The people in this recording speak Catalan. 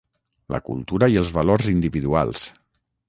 la cultura i els valors individuals